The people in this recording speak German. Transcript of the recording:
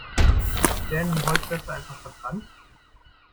Werden die Holzreste einfach verbrannt?